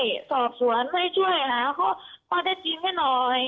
ให้สอบสวนให้ช่วยหาข้อได้จริงให้หน่อย